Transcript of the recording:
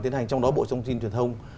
bán hành trong đó bộ thông tin truyền thông